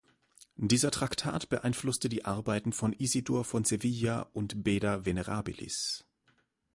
Dieser Traktat beeinflusste die Arbeiten von Isidor von Sevilla und Beda Venerabilis.